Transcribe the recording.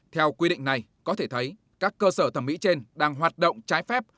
theo quy định này có thể thấy các cơ sở thẩm mỹ trên đang hoạt động trái phép